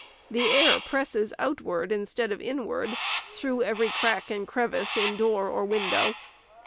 The air presses outward instead of inward, through every crack and crevice in door or window.